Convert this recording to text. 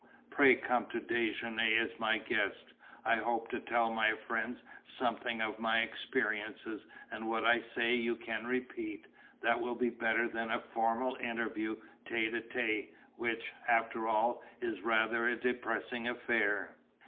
"Pray come to déjeuner as my guest, I hope to tell my friends something of my experiences and what I say you can repeat; that will be better than a formal interview tête à téte, which, after all, is rather a depressing affair."